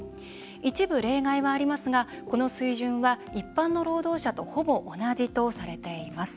一部例外はありますがこの水準は一般の労働者とほぼ同じとされています。